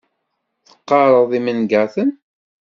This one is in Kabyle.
Teqqareḍ imangaten?